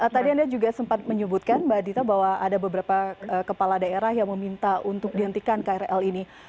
tadi anda juga sempat menyebutkan mbak adita bahwa ada beberapa kepala daerah yang meminta untuk dihentikan krl ini